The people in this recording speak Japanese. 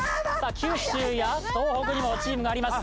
九州や東北にもチームがあります